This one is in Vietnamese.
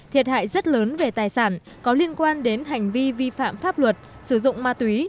thiệt hại rất lớn về tài sản có liên quan đến hành vi vi phạm pháp luật sử dụng ma túy